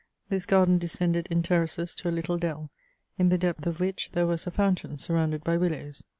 This garden descended in terraces to a Uttle dell, in the depth of which there was a fountain surrounded by willows.